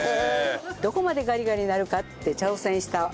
どこまでガリガリなるかって挑戦したお料理。